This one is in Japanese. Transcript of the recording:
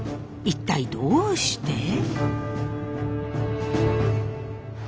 一体どうして？